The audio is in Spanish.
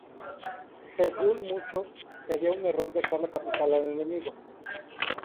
Según muchos, sería un error dejar la capital al enemigo.